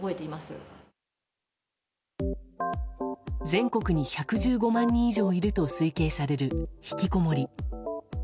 全国に１１５万人以上いると推計される、ひきこもり。